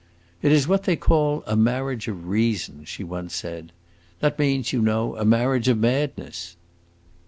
"It is what they call a marriage of reason," she once said. "That means, you know, a marriage of madness!"